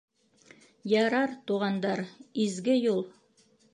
Ярар, туғандар, изге юл.